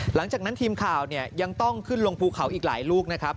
หลังจากนั้นทีมข่าวเนี่ยยังต้องขึ้นลงภูเขาอีกหลายลูกนะครับ